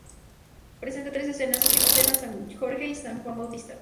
Presenta tres escenas: "Última Cena", "San Jorge", y "San Juan Bautista".